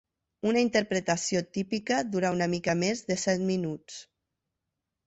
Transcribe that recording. Una interpretació típica dura una mica més de set minuts.